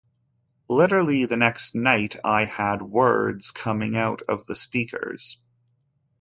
Literally the next night I had "Words" coming out of the speakers.